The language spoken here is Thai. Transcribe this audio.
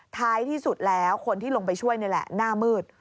ท้ายที่สุดแล้วคนที่ลงไปช่วยนี่แหละหน้ามืด